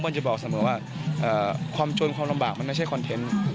จะบอกเสมอว่าความจนความลำบากมันไม่ใช่คอนเทนต์